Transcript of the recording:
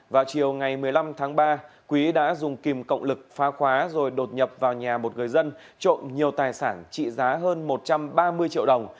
vào chiều ngày một mươi năm tháng ba quý đã dùng kìm cộng lực phá khóa rồi đột nhập vào nhà một người dân trộm nhiều tài sản trị giá hơn một trăm ba mươi triệu đồng